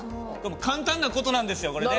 簡単な事なんですよこれね。